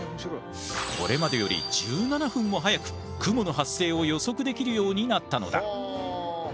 これまでより１７分も早く雲の発生を予測できるようになったのだ。